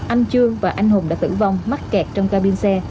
anh trương và anh hùng đã tử vong mắc kẹt trong cao pin xe